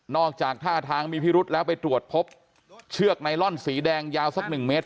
จากท่าทางมีพิรุษแล้วไปตรวจพบเชือกไนลอนสีแดงยาวสักหนึ่งเมตร